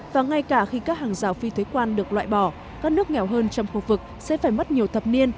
và ngay cả khi các hàng rào phi thuế quan được loại bỏ các nước nghèo hơn trong khu vực sẽ phải mất nhiều thập niên